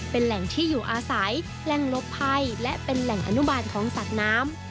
เป็นแหล่งที่อยู่อาศัยแหล่งลบภัยและเป็นแหล่งอนุบาลของสัตว์น้ำ